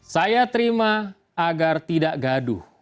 saya terima agar tidak gaduh